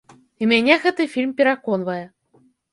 І мяне гэты фільм пераконвае.